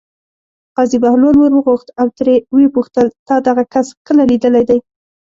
قاضي بهلول ور وغوښت او ترې ویې پوښتل: تا دغه کس کله لیدلی دی.